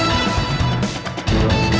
lo sudah bisa berhenti